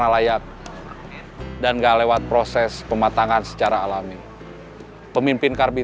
saya enggak mau bubun pergi